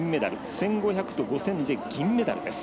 １５００と５０００で銀メダルです。